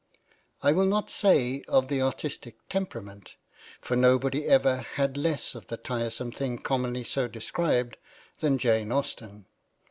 I will not say of the artistic temperament ; for nobody ever had less of the tiresome thing commonly so described than Jane Austen.